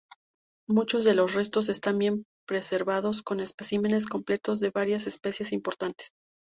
Muchos de los restos están bien preservados, con especímenes completos de varias especies importantes.